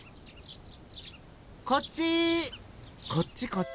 こっち！